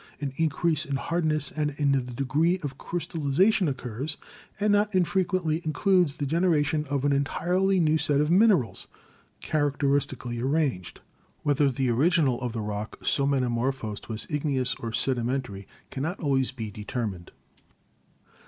An increase in hardness and in the degree of crystallization occurs, and not infrequently includes the generation of an entirely new set of minerals, character istically arranged. Whether the original of the rock so metamorphosed was igneous or sedimentary cannot always be determined.